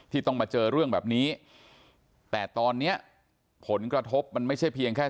ต้องมาเจอเรื่องแบบนี้แต่ตอนเนี้ยผลกระทบมันไม่ใช่เพียงแค่